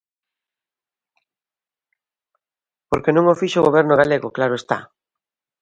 Porque non o fixo o Goberno galego, claro está.